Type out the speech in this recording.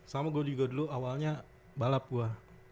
sama gue juga dulu awalnya balap gue